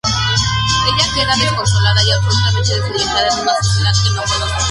Ella queda desconsolada y absolutamente desorientada en una sociedad que no conoce.